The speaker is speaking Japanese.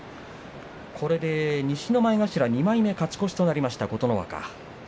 これで西の前頭２枚目で勝ち越しとなりました、琴ノ若。